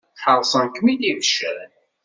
Ḥaṛṣen-kem-id ibeccan.